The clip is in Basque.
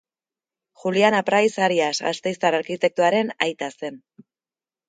Julian Apraiz Arias gasteiztar arkitektoaren aita zen.